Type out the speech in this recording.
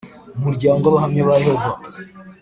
umuryango w Abahamya ba Yehova